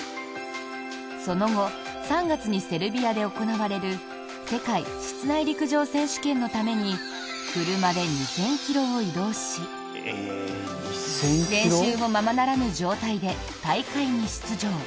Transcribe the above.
その後３月にセルビアで行われる世界室内陸上選手権のために車で２０００ｋｍを移動し練習もままならぬ状態で大会に出場。